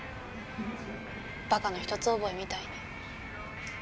バカの一つ覚えみたいに。